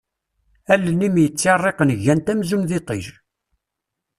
Allen-im yettirriqen gant amzun d iṭij.